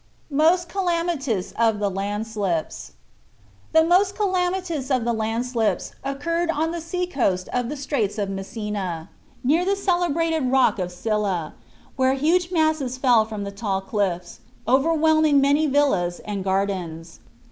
MOST CALAMITOUS OF THE LANDSLIPS The most calamitous of the landslips occurred on the sea coast of the Straits of Messina, near the celebrated rock of Scilla, where huge masses fell from the tall cliffs, overwhelming many villas and gardens.